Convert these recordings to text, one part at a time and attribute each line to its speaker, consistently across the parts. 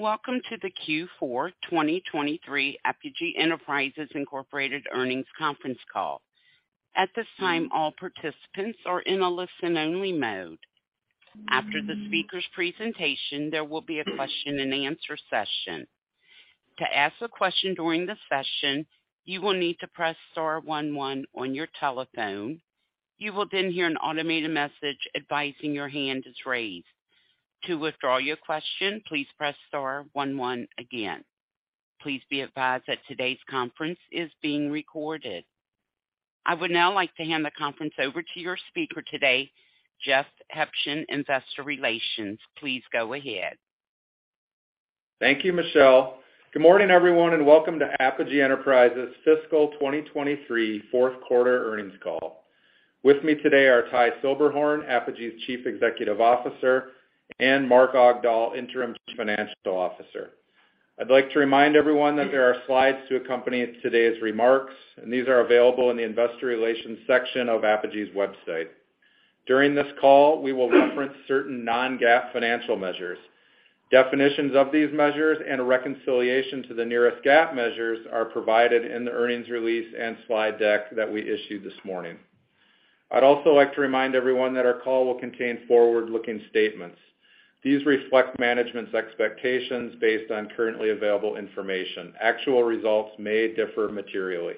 Speaker 1: Welcome to the Q4 2023 Apogee Enterprises Inc earnings conference call. At this time, all participants are in a listen-only mode. After the speaker's presentation, there will be a question-and-answer session. To ask a question during the session, you will need to press star one one on your telephone. You will then hear an automated message advising your hand is raised. To withdraw your question, please press star one one again. Please be advised that today's conference is being recorded. I would now like to hand the conference over to your speaker today, Jeff Huebschen, Investor Relations. Please go ahead.
Speaker 2: Thank you, Michelle. Good morning, everyone, and welcome to Apogee Enterprises fiscal 2023 fourth quarter earnings call. With me today are Ty Silberhorn, Apogee's Chief Executive Officer, and Mark Augdahl, Interim Financial Officer. I'd like to remind everyone that there are slides to accompany today's remarks, and these are available in the investor relations section of Apogee's website. During this call, we will reference certain non-GAAP financial measures. Definitions of these measures and a reconciliation to the nearest GAAP measures are provided in the earnings release and slide deck that we issued this morning. I'd also like to remind everyone that our call will contain forward-looking statements. These reflect management's expectations based on currently available information. Actual results may differ materially.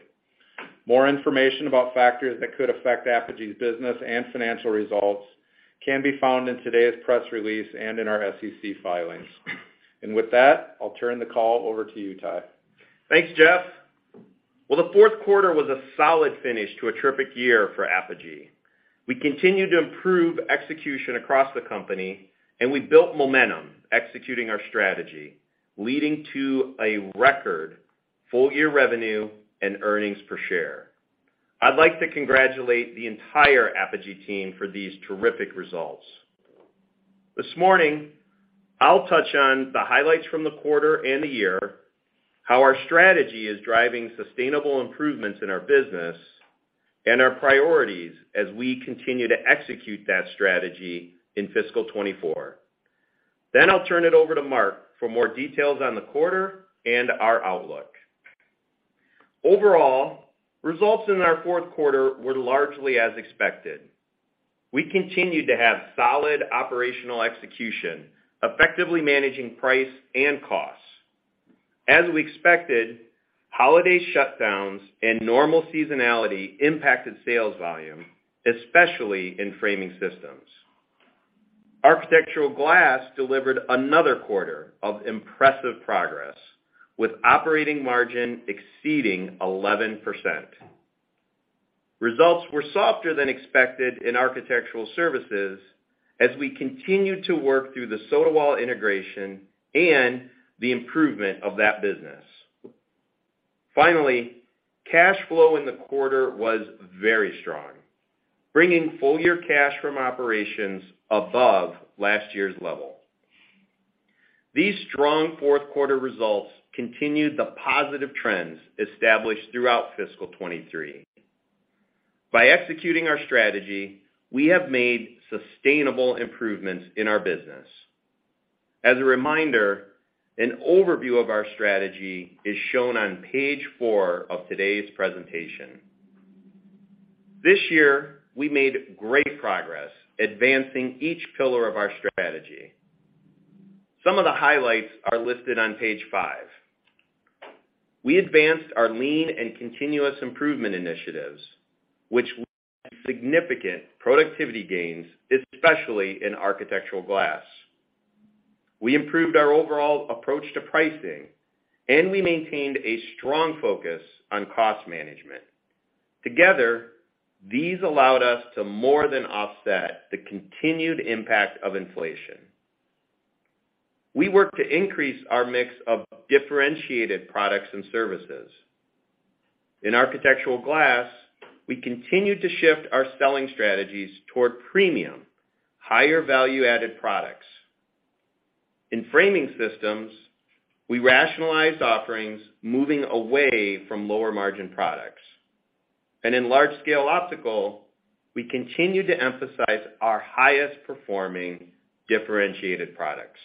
Speaker 2: More information about factors that could affect Apogee's business and financial results can be found in today's press release and in our SEC filings. With that, I'll turn the call over to you, Ty.
Speaker 3: Thanks, Jeff. Well, the fourth quarter was a solid finish to a terrific year for Apogee. We continued to improve execution across the company, and we built momentum executing our strategy, leading to a record full-year revenue and earnings per share. I'd like to congratulate the entire Apogee team for these terrific results. This morning, I'll touch on the highlights from the quarter and the year, how our strategy is driving sustainable improvements in our business, and our priorities as we continue to execute that strategy in fiscal 2024. I'll turn it over to Mark for more details on the quarter and our outlook. Overall, results in our fourth quarter were largely as expected. We continued to have solid operational execution, effectively managing price and costs. As we expected, holiday shutdowns and normal seasonality impacted sales volume, especially in Framing Systems. Architectural Glass delivered another quarter of impressive progress, with operating margin exceeding 11%. Results were softer than expected in Architectural Services as we continued to work through the Sotawall integration and the improvement of that business. Cash flow in the quarter was very strong, bringing full-year cash from operations above last year's level. These strong fourth quarter results continued the positive trends established throughout fiscal 2023. By executing our strategy, we have made sustainable improvements in our business. As a reminder, an overview of our strategy is shown on page four of today's presentation. This year, we made great progress advancing each pillar of our strategy. Some of the highlights are listed on page five. We advanced our lean and continuous improvement initiatives, which significant productivity gains, especially in Architectural Glass. We improved our overall approach to pricing, and we maintained a strong focus on cost management. Together, these allowed us to more than offset the continued impact of inflation. We worked to increase our mix of differentiated products and services. In Architectural Glass, we continued to shift our selling strategies toward premium, higher value-added products. In Architectural Framing Systems, we rationalized offerings moving away from lower margin products. In Large-Scale Optical, we continued to emphasize our highest performing differentiated products.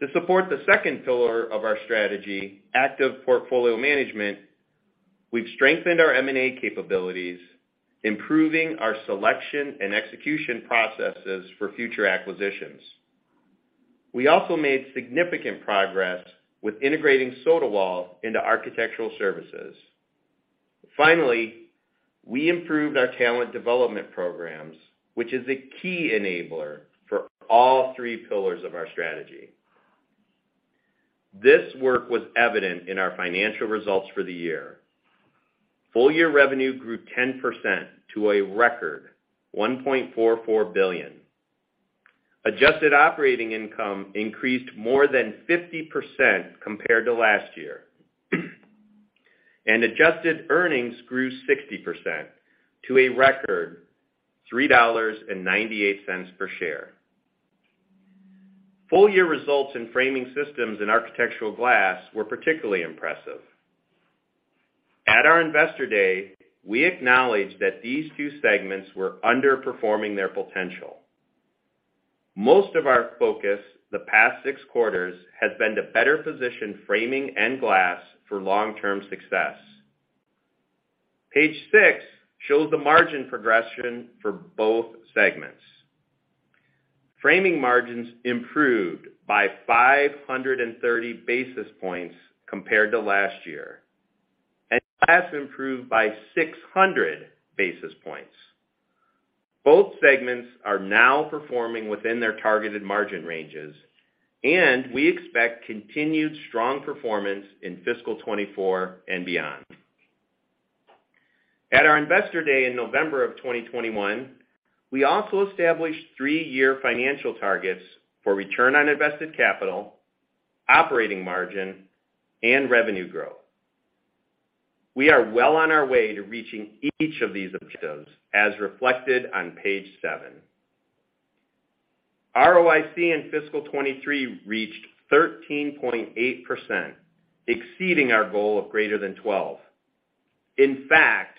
Speaker 3: To support the second pillar of our strategy, active portfolio management, we've strengthened our M&A capabilities, improving our selection and execution processes for future acquisitions. We also made significant progress with integrating Sotawall into Architectural Services. Finally, we improved our talent development programs, which is a key enabler for all three pillars of our strategy. This work was evident in our financial results for the year. Full year revenue grew 10% to a record $1.44 billion. Adjusted operating income increased more than 50% compared to last year. Adjusted earnings grew 60% to a record $3.98 per share. Full year results in Framing Systems and Architectural Glass were particularly impressive. At our Investor Day, we acknowledged that these two segments were underperforming their potential. Most of our focus the past six quarters has been to better position Framing and Glass for long-term success. Page six shows the margin progression for both segments. Framing margins improved by 530 basis points compared to last year, and Glass improved by 600 basis points. Both segments are now performing within their targeted margin ranges, and we expect continued strong performance in fiscal 2024 and beyond. At our Investor Day in November of 2021, we also established three-year financial targets for return on invested capital, operating margin, and revenue growth. We are well on our way to reaching each of these objectives as reflected on page seven. ROIC in fiscal 2023 reached 13.8%, exceeding our goal of greater than 12. In fact,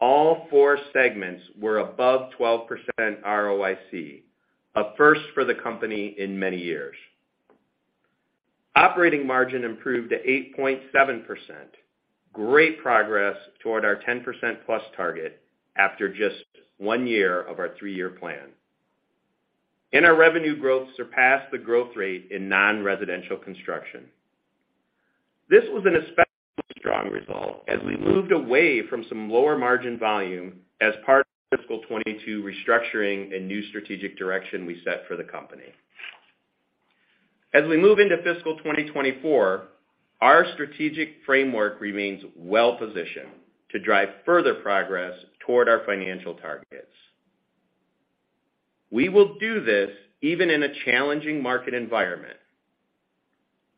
Speaker 3: all four segments were above 12% ROIC, a first for the company in many years. Operating margin improved to 8.7%. Great progress toward our 10%+ target after just one year of our three-year plan. Our revenue growth surpassed the growth rate in non-residential construction. This was an especially strong result as we moved away from some lower margin volume as part of fiscal 2022 restructuring and new strategic direction we set for the company. As we move into fiscal 2024, our strategic framework remains well-positioned to drive further progress toward our financial targets. We will do this even in a challenging market environment.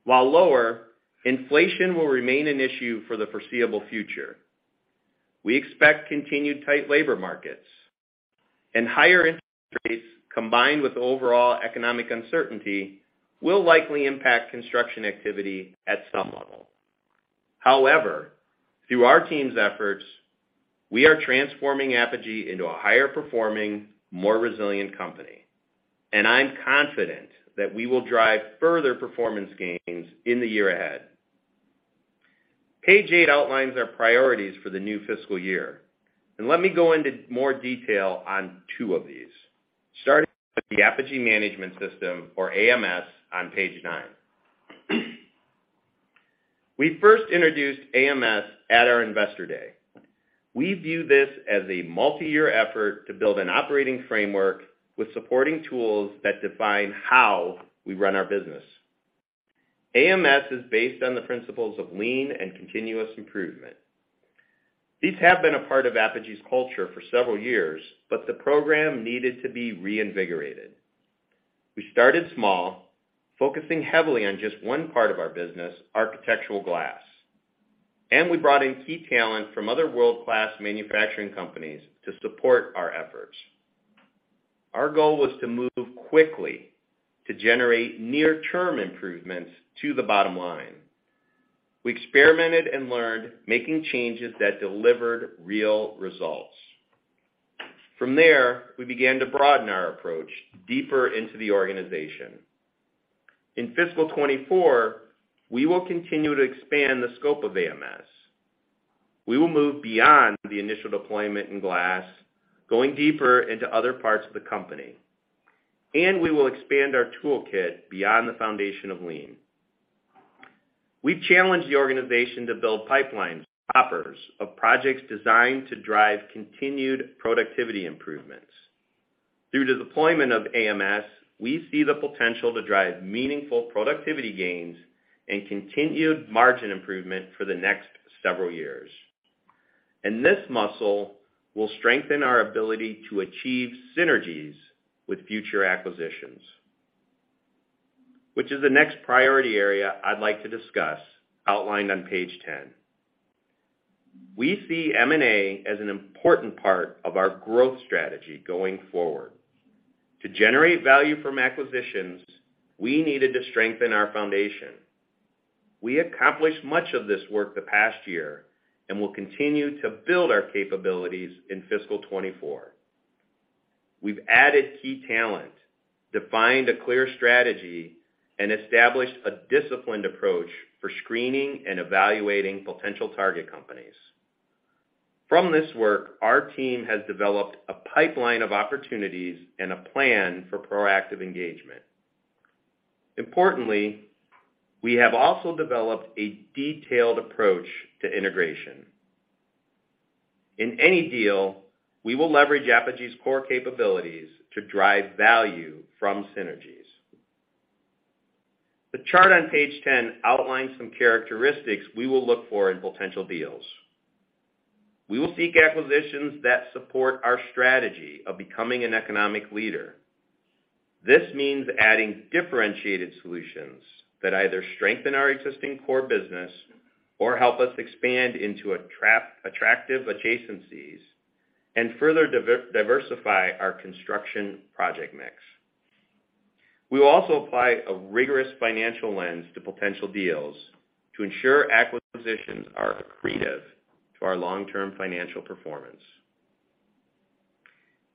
Speaker 3: While lower, inflation will remain an issue for the foreseeable future. We expect continued tight labor markets and higher interest rates, combined with overall economic uncertainty, will likely impact construction activity at some level. However, through our team's efforts, we are transforming Apogee into a higher-performing, more resilient company, and I'm confident that we will drive further performance gains in the year ahead. Page eight outlines our priorities for the new fiscal year, and let me go into more detail on two of these, starting with the Apogee Management System, or AMS, on page nine. We first introduced AMS at our Investor Day. We view this as a multi-year effort to build an operating framework with supporting tools that define how we run our business. AMS is based on the principles of lean and continuous improvement. These have been a part of Apogee's culture for several years, but the program needed to be reinvigorated. We started small, focusing heavily on just one part of our business, Architectural Glass, and we brought in key talent from other world-class manufacturing companies to support our efforts. Our goal was to move quickly to generate near-term improvements to the bottom line. We experimented and learned, making changes that delivered real results. From there, we began to broaden our approach deeper into the organization. In fiscal 2024, we will continue to expand the scope of AMS. We will move beyond the initial deployment in Glass, going deeper into other parts of the company, and we will expand our toolkit beyond the foundation of lean. We've challenged the organization to build pipelines, offers of projects designed to drive continued productivity improvements. Through deployment of AMS, we see the potential to drive meaningful productivity gains and continued margin improvement for the next several years. This muscle will strengthen our ability to achieve synergies with future acquisitions, which is the next priority area I'd like to discuss outlined on page 10. We see M&A as an important part of our growth strategy going forward. To generate value from acquisitions, we needed to strengthen our foundation. We accomplished much of this work the past year and will continue to build our capabilities in fiscal 2024. We've added key talent, defined a clear strategy, and established a disciplined approach for screening and evaluating potential target companies. From this work, our team has developed a pipeline of opportunities and a plan for proactive engagement. Importantly, we have also developed a detailed approach to integration. In any deal, we will leverage Apogee's core capabilities to drive value from synergies. The chart on page 10 outlines some characteristics we will look for in potential deals. We will seek acquisitions that support our strategy of becoming an economic leader. This means adding differentiated solutions that either strengthen our existing core business or help us expand into attractive adjacencies and further diversify our construction project mix. We will also apply a rigorous financial lens to potential deals to ensure acquisitions are accretive to our long-term financial performance.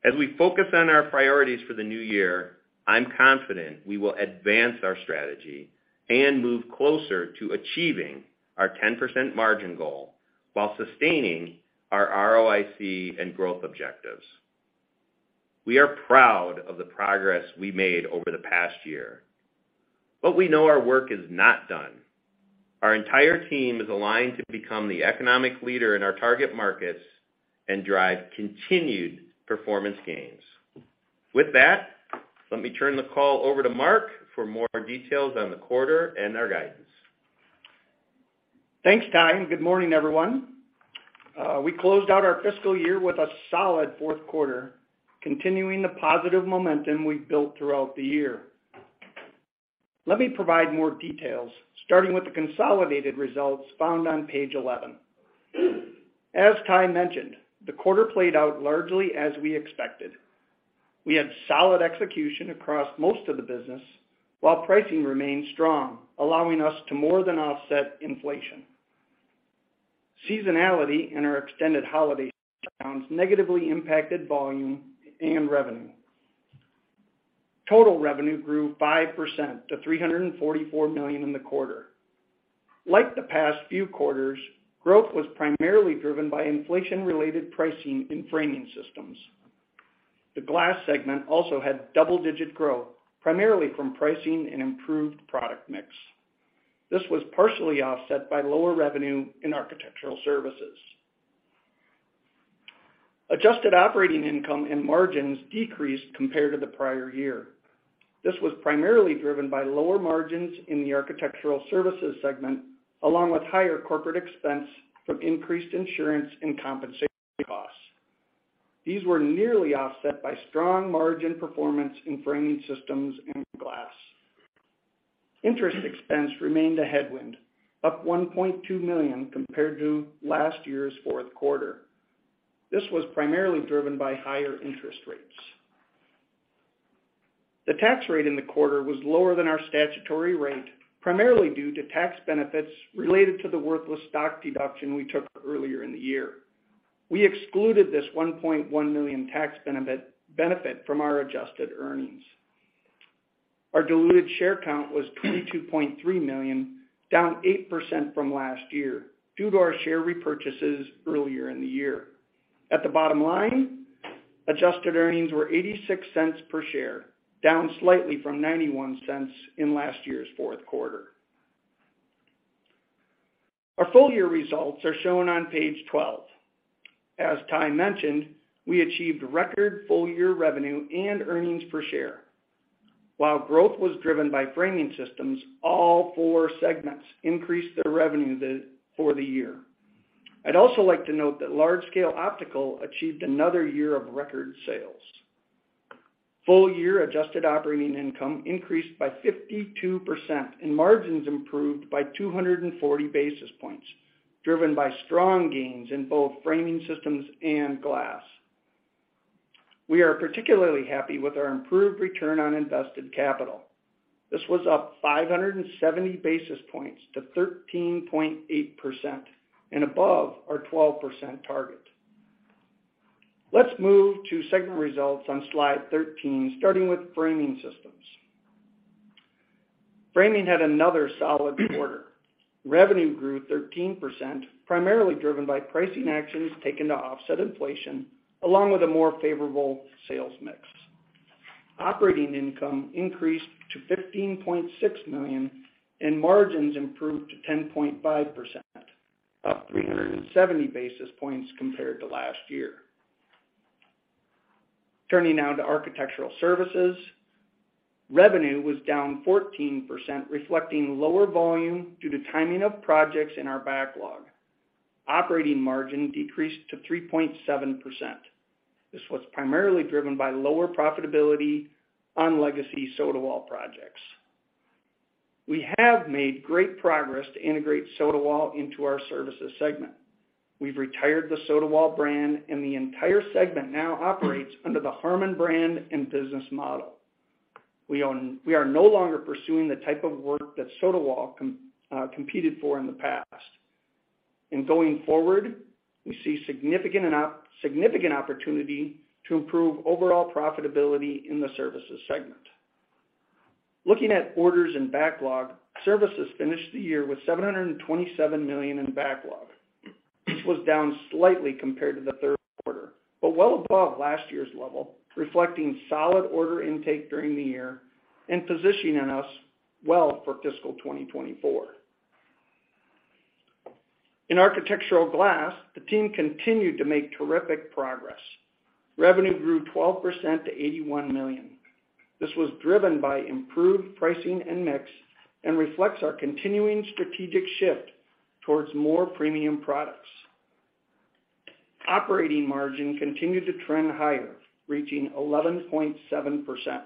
Speaker 3: As we focus on our priorities for the new year, I'm confident we will advance our strategy and move closer to achieving our 10% margin goal while sustaining our ROIC and growth objectives. We are proud of the progress we made over the past year, but we know our work is not done. Our entire team is aligned to become the economic leader in our target markets and drive continued performance gains. With that, let me turn the call over to Mark for more details on the quarter and our guidance.
Speaker 4: Thanks, Ty, good morning, everyone. We closed out our fiscal year with a solid fourth quarter, continuing the positive momentum we've built throughout the year. Let me provide more details, starting with the consolidated results found on page 11. As Ty mentioned, the quarter played out largely as we expected. We had solid execution across most of the business while pricing remained strong, allowing us to more than offset inflation. Seasonality and our extended holiday shutdowns negatively impacted volume and revenue. Total revenue grew 5% to $344 million in the quarter. Like the past few quarters, growth was primarily driven by inflation-related pricing in framing systems. The glass segment also had double-digit growth, primarily from pricing and improved product mix. This was partially offset by lower revenue in architectural services. Adjusted operating income and margins decreased compared to the prior year. This was primarily driven by lower margins in the Architectural Services segment, along with higher corporate expense from increased insurance and compensation costs. These were nearly offset by strong margin performance in Architectural Framing Systems and Architectural Glass. Interest expense remained a headwind, up $1.2 million compared to last year's fourth quarter. This was primarily driven by higher interest rates. The tax rate in the quarter was lower than our statutory rate, primarily due to tax benefits related to the worthless stock deduction we took earlier in the year. We excluded this $1.1 million tax benefit from our adjusted earnings. Our diluted share count was 22.3 million, down 8% from last year due to our share repurchases earlier in the year. At the bottom line, adjusted earnings were $0.86 per share, down slightly from $0.91 in last year's fourth quarter. Our full year results are shown on page 12. As Ty mentioned, we achieved record full year revenue and earnings per share. While growth was driven by Architectural Framing Systems, all four segments increased their revenue for the year. I'd also like to note that Large-Scale Optical achieved another year of record sales. Full year adjusted operating income increased by 52%. Margins improved by 240 basis points, driven by strong gains in both Architectural Framing Systems and Architectural Glass. We are particularly happy with our improved return on invested capital. This was up 570 basis points to 13.8% and above our 12% target. Let's move to segment results on slide 13, starting with Architectural Framing Systems. Architectural Framing Systems had another solid quarter. Revenue grew 13%, primarily driven by pricing actions taken to offset inflation along with a more favorable sales mix. Operating income increased to $15.6 million, and margins improved to 10.5%, up 370 basis points compared to last year. Turning now to Architectural Services. Revenue was down 14%, reflecting lower volume due to timing of projects in our backlog. Operating margin decreased to 3.7%. This was primarily driven by lower profitability on legacy Sotawall projects. We have made great progress to integrate Sotawall into our services segment. We've retired the Sotawall brand, and the entire segment now operates under the Harmon brand and business model. We are no longer pursuing the type of work that Sotawall competed for in the past. Going forward, we see significant opportunity to improve overall profitability in the Architectural Services segment. Looking at orders and backlog, Architectural Services finished the year with $727 million in backlog. This was down slightly compared to the third quarter, but well above last year's level, reflecting solid order intake during the year and positioning us well for fiscal 2024. In Architectural Glass, the team continued to make terrific progress. Revenue grew 12% to $81 million. This was driven by improved pricing and mix, and reflects our continuing strategic shift towards more premium products. Operating margin continued to trend higher, reaching 11.7%.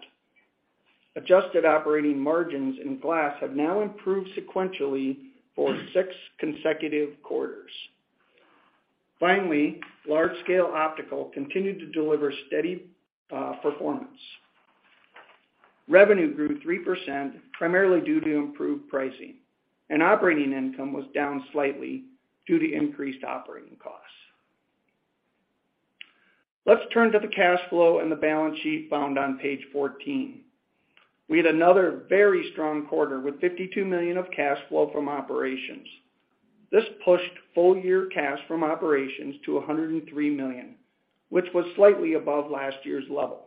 Speaker 4: Adjusted operating margins in Architectural Glass have now improved sequentially for six consecutive quarters. Finally, Large-Scale Optical continued to deliver steady performance. Revenue grew 3% primarily due to improved pricing. Operating income was down slightly due to increased operating costs. Let's turn to the cash flow and the balance sheet found on page 14. We had another very strong quarter with $52 million of cash flow from operations. This pushed full year cash from operations to $103 million, which was slightly above last year's level.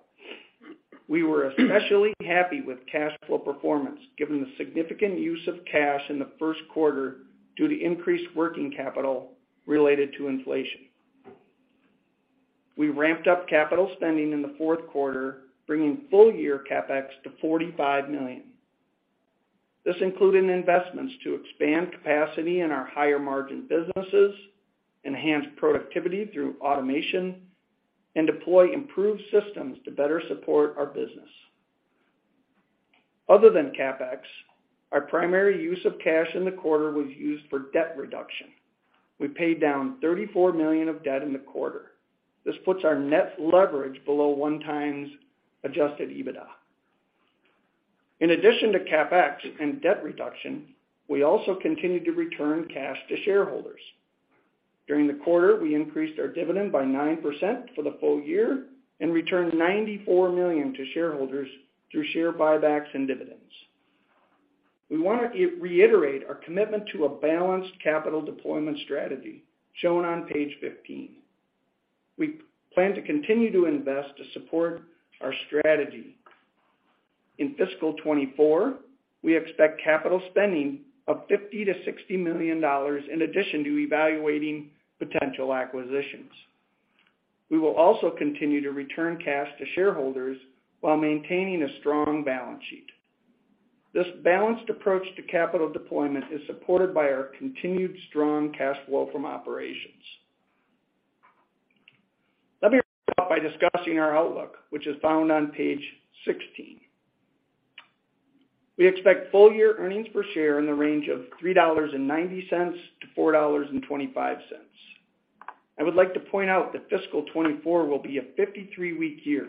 Speaker 4: We were especially happy with cash flow performance given the significant use of cash in the first quarter due to increased working capital related to inflation. We ramped up capital spending in the fourth quarter, bringing full year CapEx to $45 million. This included investments to expand capacity in our higher margin businesses, enhance productivity through automation, and deploy improved systems to better support our business. Other than CapEx, our primary use of cash in the quarter was used for debt reduction. We paid down $34 million of debt in the quarter. This puts our net leverage below 1x adjusted EBITDA. In addition to CapEx and debt reduction, we also continued to return cash to shareholders. During the quarter, we increased our dividend by 9% for the full year and returned $94 million to shareholders through share buybacks and dividends. We want to reiterate our commitment to a balanced capital deployment strategy shown on page 15. We plan to continue to invest to support our strategy. In fiscal 2024, we expect capital spending of $50 million-$60 million in addition to evaluating potential acquisitions. We will also continue to return cash to shareholders while maintaining a strong balance sheet. This balanced approach to capital deployment is supported by our continued strong cash flow from operations. Let me wrap up by discussing our outlook, which is found on page 16. We expect full year earnings per share in the range of $3.90-$4.25. I would like to point out that fiscal 2024 will be a 53-week year,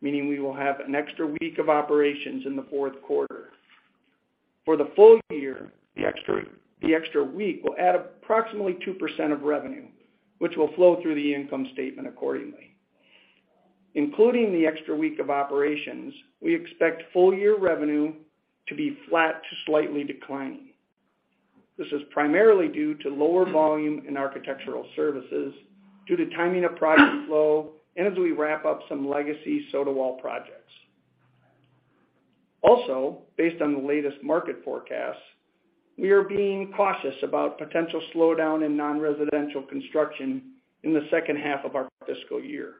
Speaker 4: meaning we will have an extra week of operations in the fourth quarter. For the full year, the extra week will add approximately 2% of revenue, which will flow through the income statement accordingly. Including the extra week of operations, we expect full year revenue to be flat to slightly declining. This is primarily due to lower volume in Architectural Services due to timing of project flow and as we wrap up some legacy Sotawall projects. Based on the latest market forecasts, we are being cautious about potential slowdown in non-residential construction in the second half of our fiscal year.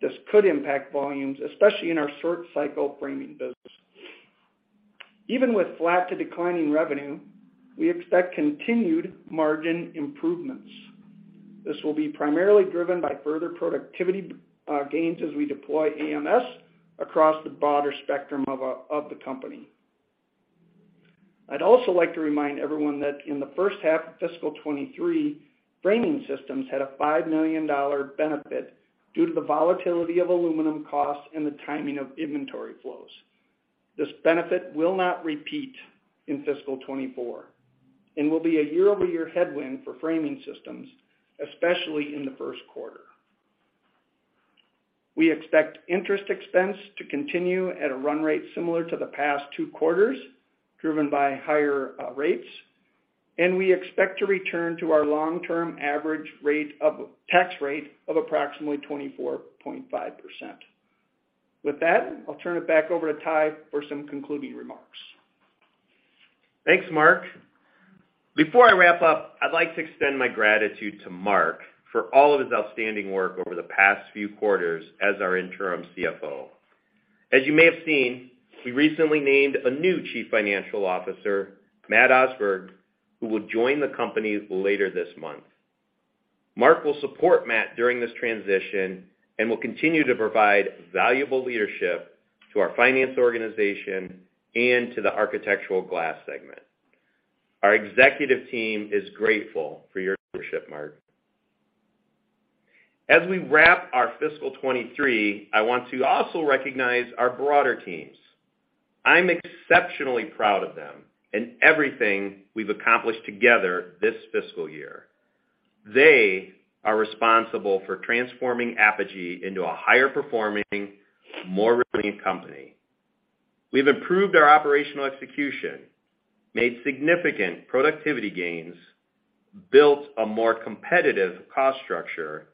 Speaker 4: This could impact volumes, especially in our short cycle framing business. Even with flat to declining revenue, we expect continued margin improvements. This will be primarily driven by further productivity gains as we deploy AMS across the broader spectrum of the company. I'd also like to remind everyone that in the first half of fiscal 2023, Framing Systems had a $5 million benefit due to the volatility of aluminum costs and the timing of inventory flows. This benefit will not repeat in fiscal 2024 and will be a year-over-year headwind for Framing Systems, especially in the first quarter. We expect interest expense to continue at a run rate similar to the past two quarters, driven by higher rates, we expect to return to our long-term average tax rate of approximately 24.5%. With that, I'll turn it back over to Ty for some concluding remarks.
Speaker 3: Thanks, Mark. Before I wrap up, I'd like to extend my gratitude to Mark for all of his outstanding work over the past few quarters as our interim CFO. As you may have seen, we recently named a new Chief Financial Officer, Matt Osberg, who will join the company later this month. Mark will support Matt during this transition and will continue to provide valuable leadership to our finance organization and to the Architectural Glass segment. Our executive team is grateful for your leadership, Mark. As we wrap our fiscal 2023, I want to also recognize our broader teams. I'm exceptionally proud of them and everything we've accomplished together this fiscal year. They are responsible for transforming Apogee Enterprises into a higher performing, more resilient company. We've improved our operational execution, made significant productivity gains, built a more competitive cost structure,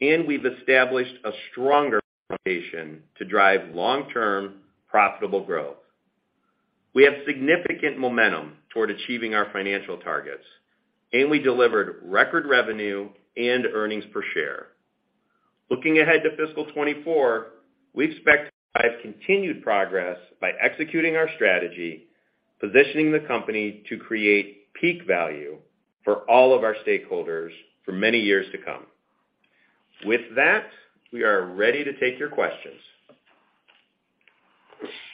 Speaker 3: and we've established a stronger foundation to drive long-term profitable growth. We have significant momentum toward achieving our financial targets, and we delivered record revenue and earnings per share. Looking ahead to fiscal 2024, we expect to drive continued progress by executing our strategy, positioning the company to create peak value for all of our stakeholders for many years to come. With that, we are ready to take your questions.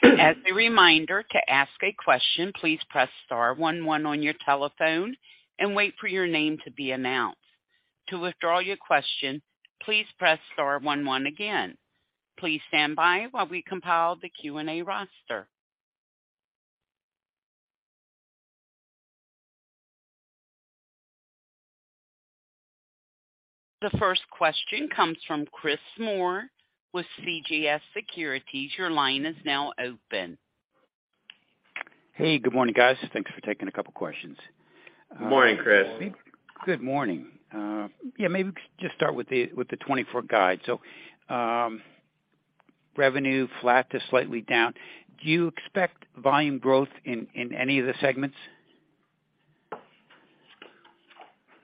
Speaker 1: As a reminder, to ask a question, please press star one one on your telephone and wait for your name to be announced. To withdraw your question, please press star one one again. Please stand by while we compile the Q&A roster. The first question comes from Chris Moore with CJS Securities. Your line is now open.
Speaker 5: Hey, good morning, guys. Thanks for taking a couple of questions.
Speaker 3: Good morning, Chris.
Speaker 5: Good morning. Yeah, maybe just start with the, with the 2024 guide. Revenue flat to slightly down. Do you expect volume growth in any of the segments?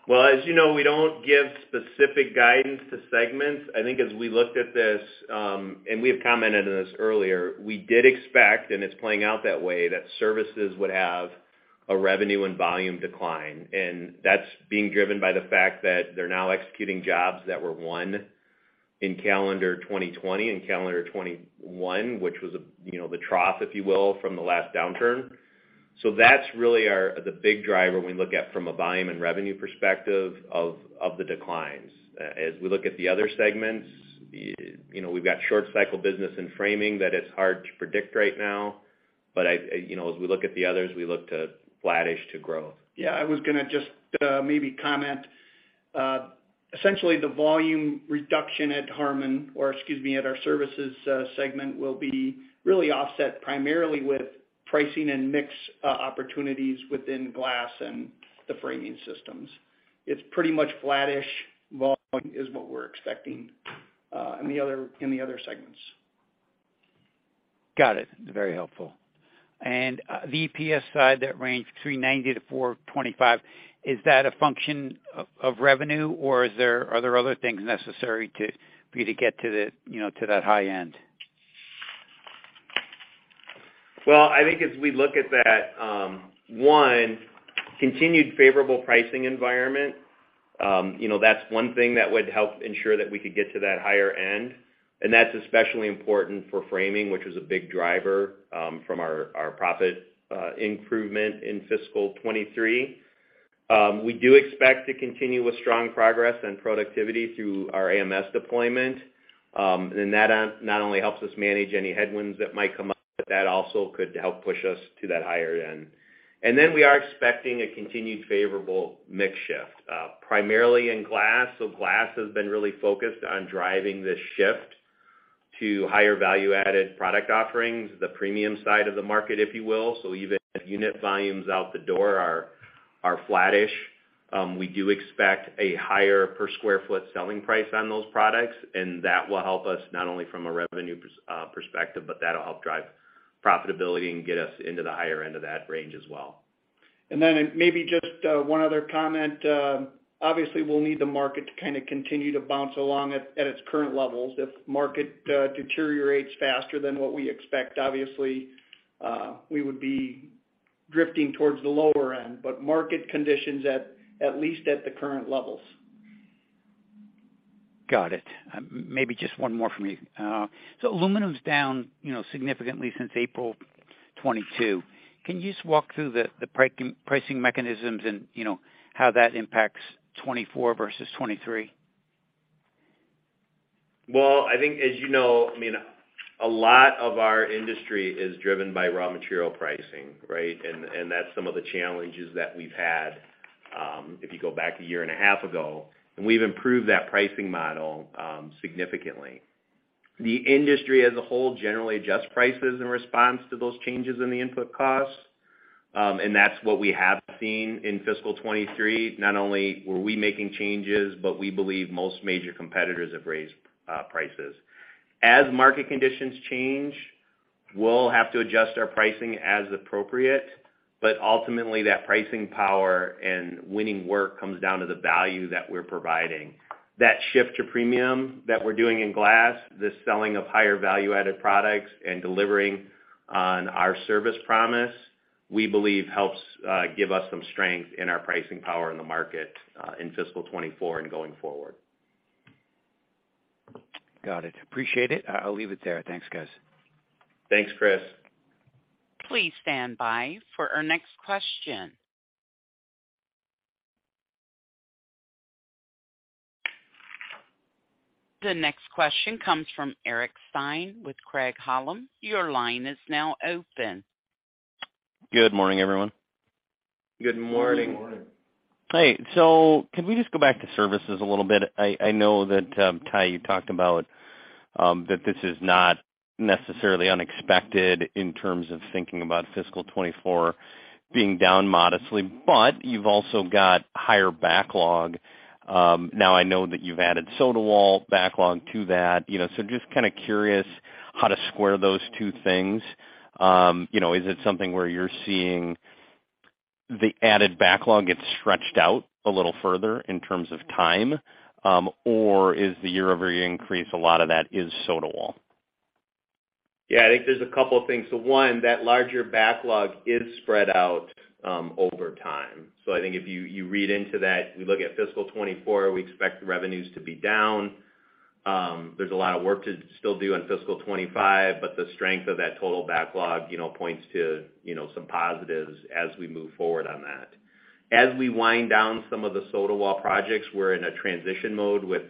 Speaker 3: As you know, we don't give specific guidance to segments. I think as we looked at this, and we have commented on this earlier, we did expect, and it's playing out that way, that services would have a revenue and volume decline, and that's being driven by the fact that they're now executing jobs that were won in calendar 2020 and calendar 2021, which was, you know, the trough, if you will, from the last downturn. That's really the big driver we look at from a volume and revenue perspective of the declines. As we look at the other segments, you know, we've got short cycle business and framing that it's hard to predict right now. You know, as we look at the others, we look to flattish to growth.
Speaker 4: I was gonna just maybe comment. Essentially, the volume reduction at Harmon or, excuse me, at our services segment will be really offset primarily with pricing and mix opportunities within glass and the framing systems. It's pretty much flattish volume is what we're expecting in the other segments.
Speaker 5: Got it. Very helpful the EPS side that range $3.90-$4.25, is that a function of revenue, or are there other things necessary for you to get to the, you know, to that high end?
Speaker 3: Well, I think as we look at that, one, continued favorable pricing environment, you know, that's one thing that would help ensure that we could get to that higher end, and that's especially important for framing, which is a big driver, from our profit improvement in fiscal 23. We do expect to continue with strong progress and productivity through our AMS deployment, and that not only helps us manage any headwinds that might come up, but that also could help push us to that higher end. We are expecting a continued favorable mix shift, primarily in glass. Glass has been really focused on driving this shift to higher value-added product offerings, the premium side of the market, if you will. Even if unit volumes out the door are flattish, we do expect a higher per square foot selling price on those products, and that will help us not only from a revenue perspective, but that'll help drive profitability and get us into the higher end of that range as well.
Speaker 4: Maybe just one other comment. Obviously, we'll need the market to kind of continue to bounce along at its current levels. If market deteriorates faster than what we expect, obviously, we would be drifting towards the lower end, but market conditions at least at the current levels.
Speaker 5: Got it. Maybe just one more for me. Aluminum's down, you know, significantly since April 2022. Can you just walk through the pricing mechanisms and, you know, how that impacts 2024 versus 2023?
Speaker 3: Well, I think as you know, I mean, a lot of our industry is driven by raw material pricing, right? That's some of the challenges that we've had, if you go back a year and a half ago, and we've improved that pricing model significantly. The industry as a whole generally adjusts prices in response to those changes in the input costs, that's what we have seen in fiscal 23. Not only were we making changes, but we believe most major competitors have raised prices. As market conditions change, we'll have to adjust our pricing as appropriate. That ultimately, that pricing power and winning work comes down to the value that we're providing. That shift to premium that we're doing in glass, the selling of higher value-added products and delivering on our service promise, we believe helps give us some strength in our pricing power in the market, in fiscal 24 and going forward.
Speaker 5: Got it. Appreciate it. I'll leave it there. Thanks, guys.
Speaker 3: Thanks, Chris.
Speaker 1: Please stand by for our next question. The next question comes from Eric Stine with Craig-Hallum. Your line is now open.
Speaker 6: Good morning, everyone.
Speaker 3: Good morning.
Speaker 5: Good morning.
Speaker 6: Can we just go back to services a little bit? I know that Ty, you talked about that this is not necessarily unexpected in terms of thinking about fiscal 24 being down modestly, but you've also got higher backlog. Now I know that you've added Sotawall backlog to that. You know, just kinda curious how to square those two things. You know, is it something where you're seeing the added backlog get stretched out a little further in terms of time, or is the year-over-year increase a lot of that is Sotawall?
Speaker 3: Yeah. I think there's a couple of things. One, that larger backlog is spread out over time. I think if you read into that, we look at fiscal 2024, we expect the revenues to be down. There's a lot of work to still do in fiscal 2025, but the strength of that total backlog, you know, points to, you know, some positives as we move forward on that. As we wind down some of the Sotawall projects, we're in a transition mode with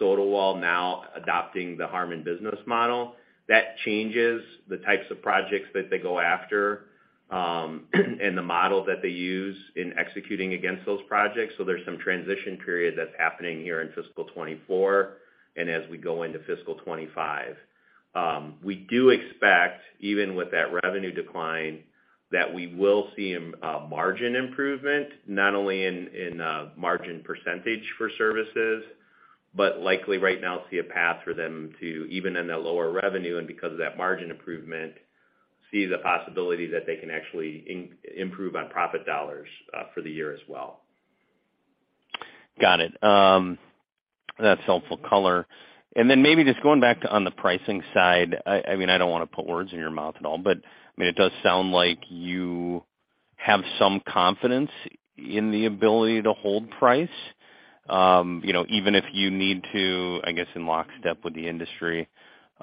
Speaker 3: Sotawall now adopting the Harmon business model. That changes the types of projects that they go after, and the model that they use in executing against those projects. There's some transition period that's happening here in fiscal 2024, and as we go into fiscal 2025. We do expect, even with that revenue decline, that we will see margin improvement, not only in margin percentage for services, but likely right now see a path for them to even in that lower revenue, and because of that margin improvement, see the possibility that they can actually improve on profit dollars for the year as well.
Speaker 6: Got it. That's helpful color. Maybe just going back to on the pricing side. I mean, I don't wanna put words in your mouth at all, but I mean, it does sound like you have some confidence in the ability to hold price, you know, even if you need to, I guess, in lockstep with the industry,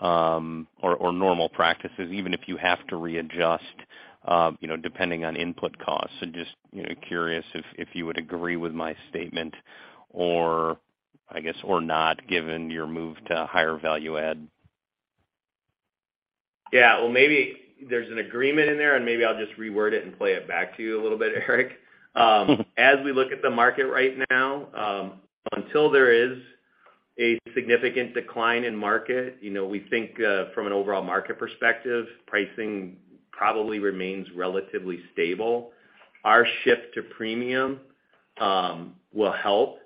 Speaker 6: or normal practices, even if you have to readjust, you know, depending on input costs. Just, you know, curious if you would agree with my statement or I guess or not, given your move to higher value add?
Speaker 3: Yeah. Well, maybe there's an agreement in there, and maybe I'll just reword it and play it back to you a little bit, Eric. As we look at the market right now, until there is a significant decline in market, you know, we think, from an overall market perspective, pricing probably remains relatively stable. Our shift to premium, will help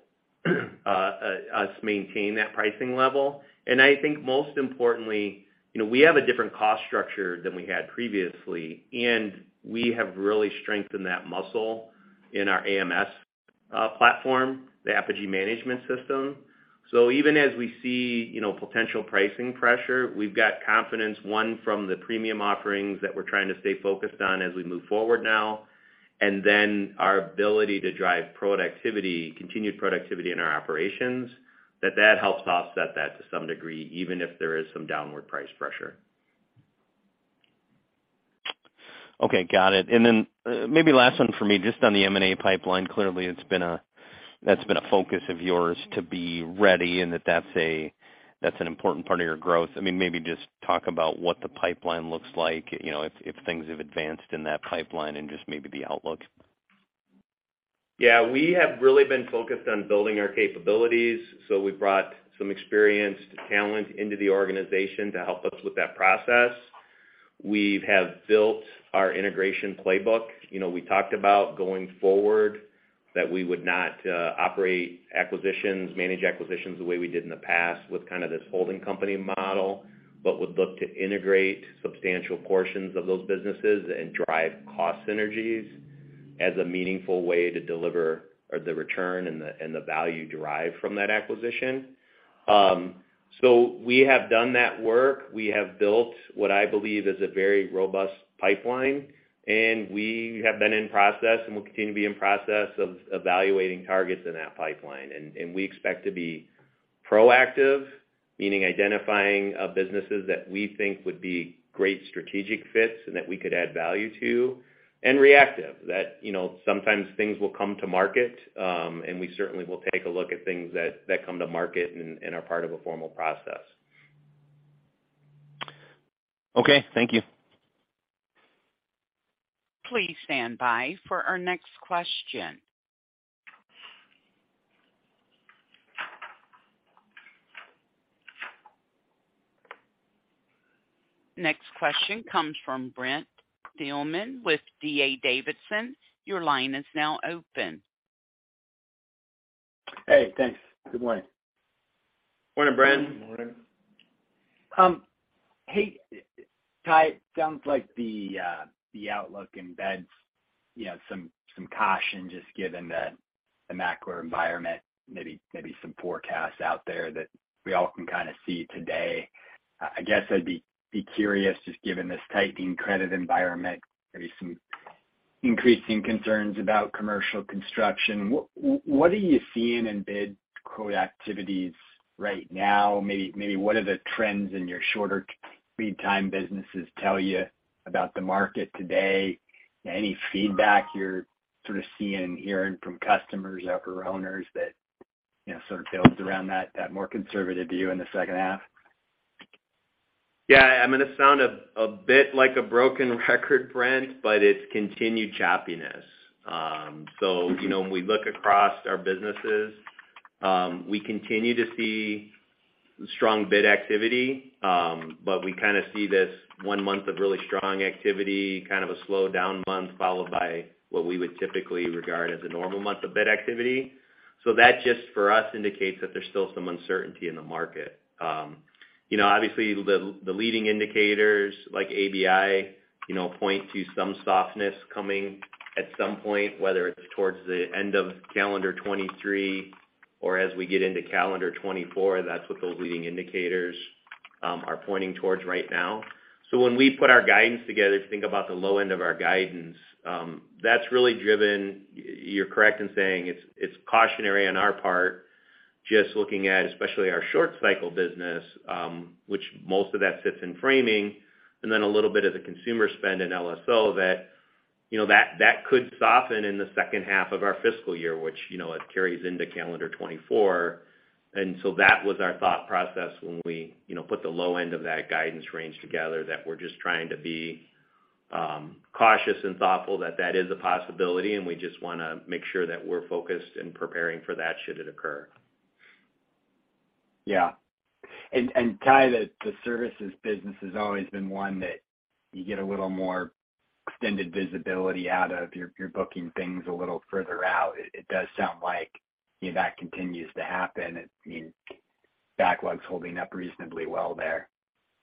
Speaker 3: us maintain that pricing level. I think most importantly, you know, we have a different cost structure than we had previously, and we have really strengthened that muscle in our AMS platform, the Apogee Management System. Even as we see, you know, potential pricing pressure, we've got confidence, one, from the premium offerings that we're trying to stay focused on as we move forward now, and then our ability to drive productivity, continued productivity in our operations, that helps to offset that to some degree, even if there is some downward price pressure.
Speaker 6: Okay. Got it. Then, maybe last one for me, just on the M&A pipeline. Clearly that's been a focus of yours to be ready and that's an important part of your growth. I mean, maybe just talk about what the pipeline looks like, you know, if things have advanced in that pipeline and just maybe the outlook.
Speaker 3: We have really been focused on building our capabilities, so we brought some experienced talent into the organization to help us with that process. We have built our integration playbook. You know, we talked about going forward that we would not operate acquisitions, manage acquisitions the way we did in the past with kind of this holding company model, but would look to integrate substantial portions of those businesses and drive cost synergies as a meaningful way to deliver the return and the value derived from that acquisition. We have done that work. We have built what I believe is a very robust pipeline, and we have been in process and will continue to be in process of evaluating targets in that pipeline. We expect to be proactive, meaning identifying, businesses that we think would be great strategic fits and that we could add value to, and reactive, that, you know, sometimes things will come to market, and we certainly will take a look at things that come to market and are part of a formal process.
Speaker 6: Okay. Thank you.
Speaker 1: Please stand by for our next question. Next question comes from Brent Thielman with D.A. Davidson. Your line is now open.
Speaker 7: Hey, thanks. Good morning.
Speaker 3: Morning, Brent.
Speaker 8: Morning.
Speaker 7: Hey, Ty. Sounds like the outlook embeds, you know, some caution just given the macro environment, maybe some forecasts out there that we all can kinda see today. I guess I'd be curious, just given this tightening credit environment, maybe some increasing concerns about commercial construction. What are you seeing in bid quote activities right now? Maybe, what are the trends in your shorter lead time businesses tell you about the market today? Any feedback you're sort of seeing and hearing from customers or owners that, you know, sort of builds around that more conservative view in the second half?
Speaker 3: Yeah. I'm gonna sound a bit like a broken record, Brent, but it's continued choppiness. You know, when we look across our businesses, we continue to see strong bid activity, but we kinda see this one month of really strong activity, kind of a slowdown month, followed by what we would typically regard as a normal month of bid activity. That just for us indicates that there's still some uncertainty in the market. You know, obviously the leading indicators like ABI, you know, point to some softness coming at some point, whether it's towards the end of calendar 2023 or as we get into calendar 2024. That's what those leading indicators are pointing towards right now. When we put our guidance together, if you think about the low end of our guidance, that's really driven. You're correct in saying it's cautionary on our part, just looking at especially our short cycle business, which most of that sits in framing and then a little bit of the consumer spend in LSO that, you know, that could soften in the second half of our fiscal year, which, you know, it carries into calendar 2024. That was our thought process when we, you know, put the low end of that guidance range together, that we're just trying to be cautious and thoughtful that is a possibility, and we just wanna make sure that we're focused in preparing for that should it occur.
Speaker 7: Yeah. Ty, the services business has always been one that you get a little more extended visibility out of. You're booking things a little further out. It does sound like, you know, that continues to happen. I mean, backlog's holding up reasonably well there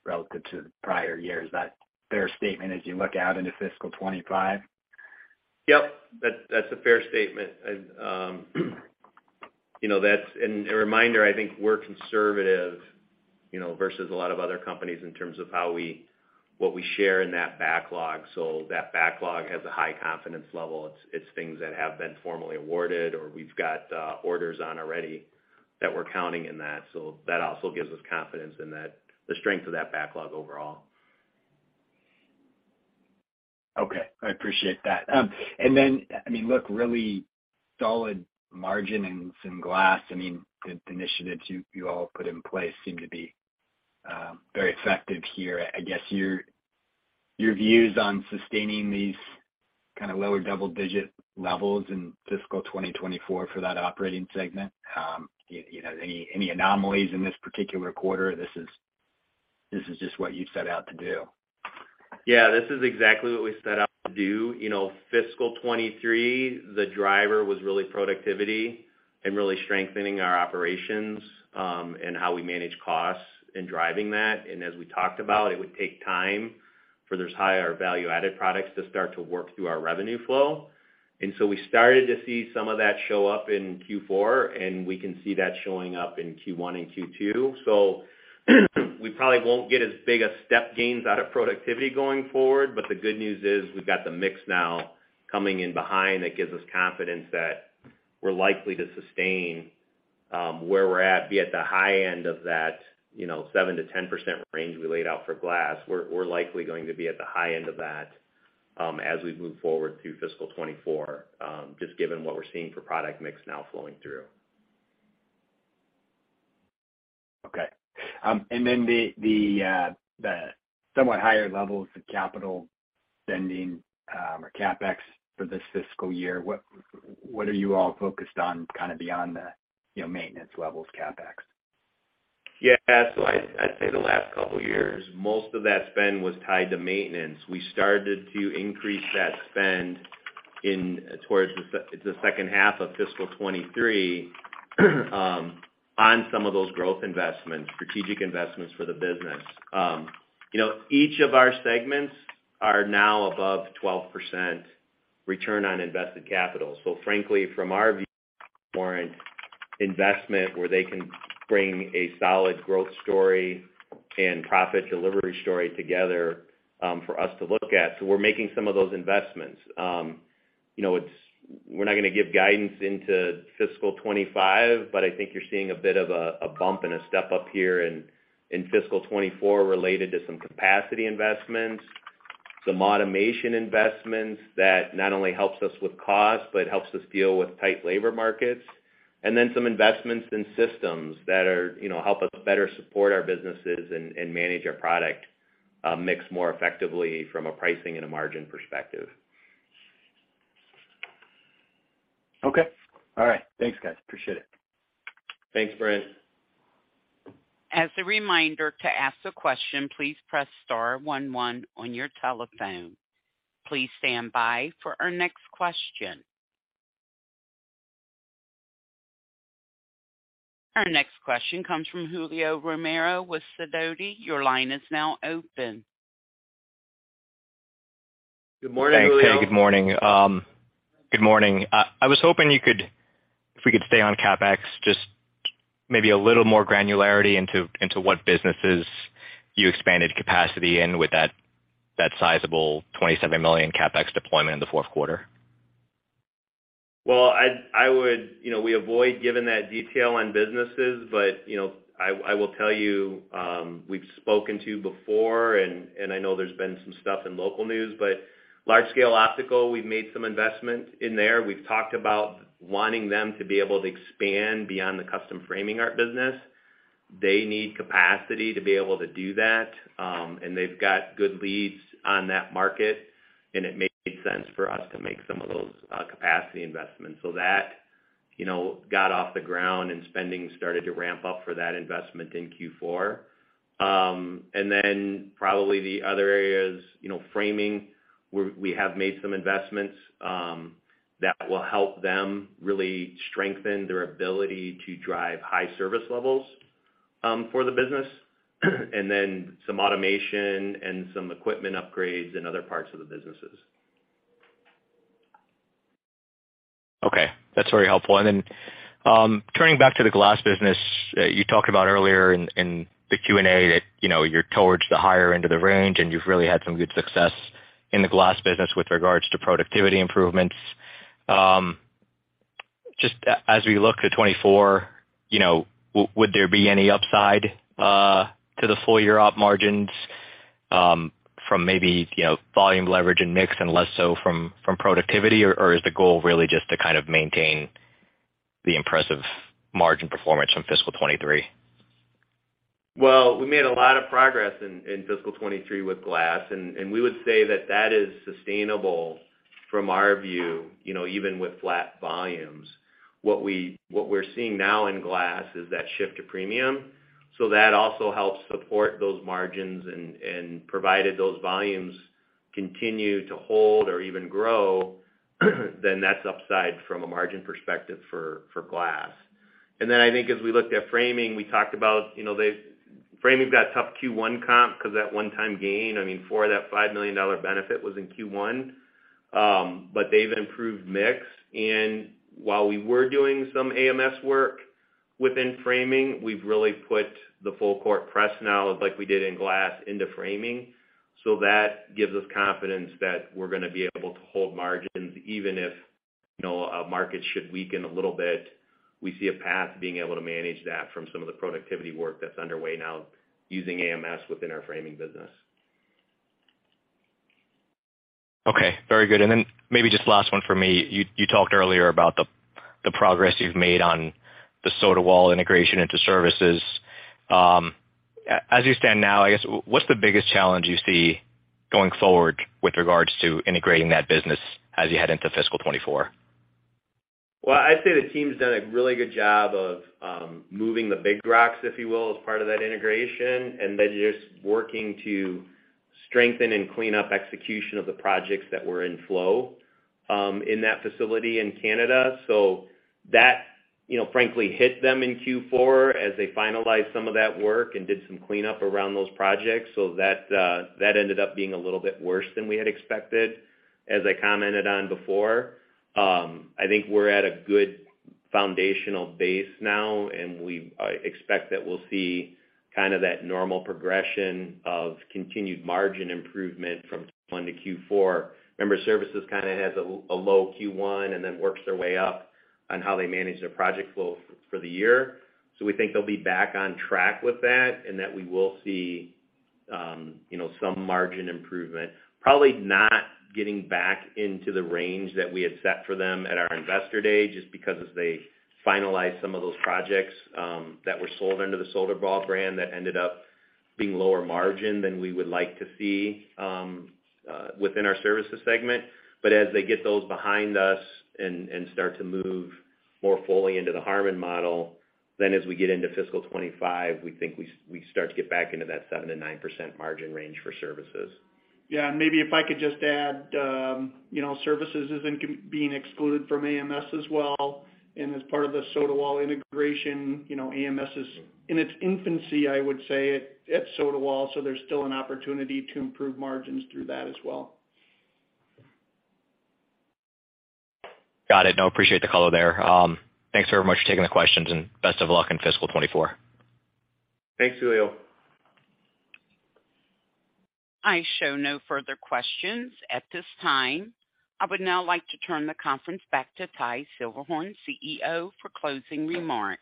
Speaker 7: relative to the prior years. Is that fair statement as you look out into fiscal 2025?
Speaker 3: Yep. That's a fair statement. Thats a reminder, I think we're conservative, you know, versus a lot of other companies in terms of what we share in that backlog. That backlog has a high confidence level. It's things that have been formally awarded or we've got orders on already that we're counting in that. That also gives us confidence in that, the strength of that backlog overall.
Speaker 7: I appreciate that. I mean, look, really solid margin in some glass. I mean, the initiatives you all put in place seem to be very effective here. I guess your views on sustaining these kind of lower double-digit levels in fiscal 2024 for that operating segment, you know, any anomalies in this particular quarter? This is just what you set out to do.
Speaker 3: Yeah, this is exactly what we set out to do. You know, fiscal 2023, the driver was really productivity and really strengthening our operations, and how we manage costs in driving that. As we talked about, it would take time for those higher value-added products to start to work through our revenue flow. We started to see some of that show up in Q4, and we can see that showing up in Q1 and Q2. We probably won't get as big a step gains out of productivity going forward. The good news is we've got the mix now coming in behind that gives us confidence that we're likely to sustain, where we're at, be at the high end of that, you know, 7%-10% range we laid out for glass. We're likely going to be at the high end of that, as we move forward through fiscal 2024, just given what we're seeing for product mix now flowing through.
Speaker 7: Okay. The, the somewhat higher levels of capital spending, or CapEx for this fiscal year, what are you all focused on kind of beyond the, you know, maintenance levels CapEx?
Speaker 3: Yeah. I'd say the last couple years, most of that spend was tied to maintenance. We started to increase that spend towards the second half of fiscal 2023, on some of those growth investments, strategic investments for the business. You know, each of our segments are now above 12% return on invested capital. Frankly, from our view, warrant investment where they can bring a solid growth story and profit delivery story together, for us to look at. We're making some of those investments. You know, we're not gonna give guidance into fiscal 2025, but I think you're seeing a bit of a bump and a step up here in fiscal 2024 related to some capacity investments, some automation investments that not only helps us with cost, but helps us deal with tight labor markets, and then some investments in systems that are, you know, help us better support our businesses and manage our product mix more effectively from a pricing and a margin perspective.
Speaker 7: Okay. All right. Thanks, guys. Appreciate it.
Speaker 3: Thanks, Brent.
Speaker 1: As a reminder, to ask a question, please press star one one on your telephone. Please stand by for our next question. Our next question comes from Julio Romero with Sidoti. Your line is now open.
Speaker 3: Good morning, Julio.
Speaker 9: Hey. Good morning. Good morning. I was hoping if we could stay on CapEx, just maybe a little more granularity into what businesses you expanded capacity in with that sizable $27 million CapEx deployment in the fourth quarter?
Speaker 3: Well, I would. You know, we avoid giving that detail on businesses. You know, I will tell you, we've spoken to you before, and I know there's been some stuff in local news. Large-Scale Optical, we've made some investment in there. We've talked about wanting them to be able to expand beyond the custom framing art business. They need capacity to be able to do that, and they've got good leads on that market, and it made sense for us to make some of those capacity investments. That, you know, got off the ground and spending started to ramp up for that investment in Q4. Probably the other areas, you know, framing, we have made some investments that will help them really strengthen their ability to drive high service levels for the business. Some automation and some equipment upgrades in other parts of the businesses.
Speaker 9: That's very helpful. Turning back to the glass business, you talked about earlier in the Q&A that, you know, you're towards the higher end of the range, and you've really had some good success in the glass business with regards to productivity improvements. Just as we look to 2024, you know, would there be any upside to the full year op margins from maybe, you know, volume leverage and mix and less so from productivity? Or is the goal really just to kind of maintain the impressive margin performance from fiscal 2023?
Speaker 3: Well, we made a lot of progress in fiscal 23 with glass and we would say that that is sustainable from our view, you know, even with flat volumes. What we're seeing now in glass is that shift to premium, that also helps support those margins. Provided those volumes continue to hold or even grow, then that's upside from a margin perspective for glass. I think as we looked at framing, we talked about, you know, framing's got tough Q1 comp cause that one-time gain. I mean, four of that $5 million benefit was in Q1. They've improved mix. While we were doing some AMS work within framing, we've really put the full court press now like we did in glass into framing. That gives us confidence that we're gonna be able to hold margins even if, you know, a market should weaken a little bit. We see a path to being able to manage that from some of the productivity work that's underway now using AMS within our framing business.
Speaker 9: Okay, very good. Maybe just last one for me. You talked earlier about the progress you've made on the Sotawall integration into Services. As you stand now, I guess what's the biggest challenge you see going forward with regards to integrating that business as you head into fiscal 2024?
Speaker 3: I'd say the team's done a really good job of moving the big rocks, if you will, as part of that integration and then just working to strengthen and clean up execution of the projects that were in flow in that facility in Canada. That, you know, frankly hit them in Q4 as they finalized some of that work and did some cleanup around those projects. That ended up being a little bit worse than we had expected, as I commented on before. I think we're at a good foundational base now, and we expect that we'll see kind of that normal progression of continued margin improvement from Q1 to Q4. Remember, services kind of has a low Q1 and then works their way up on how they manage their project flow for the year. We think they'll be back on track with that and that we will see, you know, some margin improvement. Probably not getting back into the range that we had set for them at our investor day, just because as they finalize some of those projects, that were sold under the Sotawall brand, that ended up being lower margin than we would like to see, within our services segment. As they get those behind us and start to move more fully into the Harmon model, as we get into fiscal 25, we think we start to get back into that 7%-9% margin range for services.
Speaker 4: Yeah. Maybe if I could just add, you know, services has been being excluded from AMS as well. As part of the Sotawall integration, you know, AMS is in its infancy, I would say, at Sotawall, there's still an opportunity to improve margins through that as well.
Speaker 9: Got it. No, appreciate the color there. Thanks very much for taking the questions and best of luck in fiscal 2024.
Speaker 3: Thanks, Julio.
Speaker 1: I show no further questions at this time. I would now like to turn the conference back to Ty Silberhorn, CEO, for closing remarks.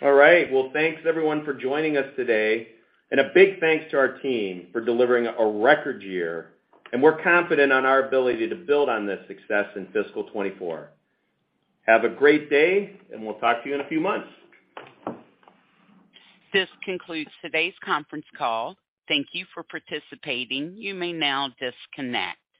Speaker 3: All right. Well, thanks everyone for joining us today. A big thanks to our team for delivering a record year, and we're confident on our ability to build on this success in fiscal 2024. Have a great day, and we'll talk to you in a few months.
Speaker 1: This concludes today's conference call. Thank you for participating. You may now disconnect.